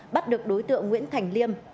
bắt được đối tượng nguyễn thành liêm